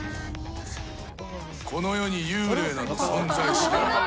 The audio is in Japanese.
この世に幽霊など存在しない。